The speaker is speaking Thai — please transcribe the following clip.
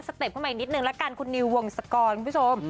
เต็ปขึ้นมาอีกนิดนึงละกันคุณนิววงศกรคุณผู้ชม